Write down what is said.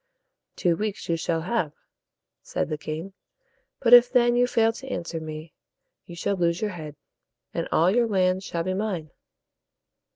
"Two weeks you shall have," said the king; "but if then you fail to answer me, you shall lose your head, and all your lands shall be mine."